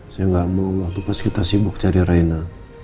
saya gak mau waktu pas kita sibuk cari raina